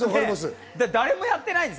誰もやってないんです。